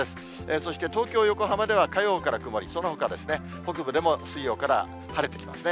そして東京、横浜では火曜から曇り、そのほかですね、北部でも水曜から晴れてきますね。